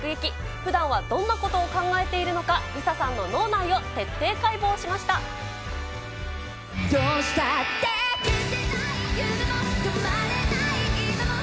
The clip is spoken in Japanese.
ふだんはどんなことを考えているのか、リサさんの脳内を徹底解剖しました。